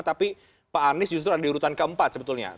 tapi pak anies justru ada di urutan keempat sebetulnya